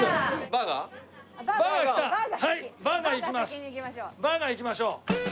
バーガーいきましょう。